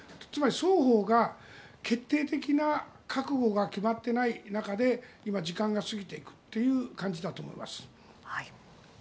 つまり双方が決定的な覚悟が決まってない中で今、時間が過ぎていくという感じだと思います。